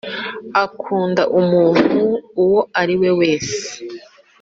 Akunda umuntu uwo ari we wese